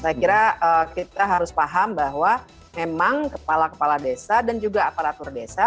saya kira kita harus paham bahwa memang kepala kepala desa dan juga aparatur desa